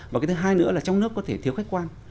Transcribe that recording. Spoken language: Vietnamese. và cái thứ hai nữa là trong nước có thể thiếu khách quan